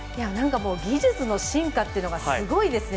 技術の進化っていうのがすごいですね。